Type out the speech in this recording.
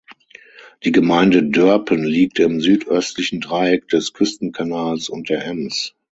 Die Gemeinde Dörpen liegt im südöstlichen Dreieck des Küstenkanals und der Ems.